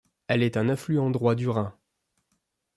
Elle est un affluent droit du Rhin.